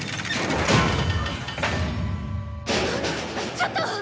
ちょっと！